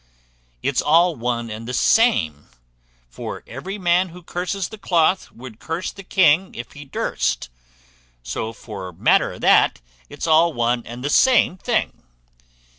It's all one and the same; for every man who curses the cloth would curse the king if he durst; so for matter o' that, it's all one and the same thing."